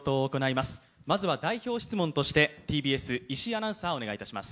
まずは代表質問として、ＴＢＳ、いしいアナウンサー、お願いいたします。